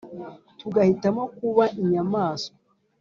Tugahitamo kuba inyamaswa